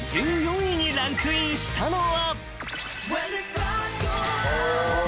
［そんな中１３位にランクインしたのは］